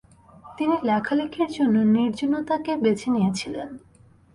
তিনি লেখালেখির জন্য নির্জনতাকে বেঁছে নিয়েছিলেন।